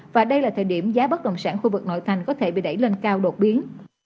và đây là thời điểm giá bất đồng sản khu vực nội thành có thể bị đẩy lên cao đột biến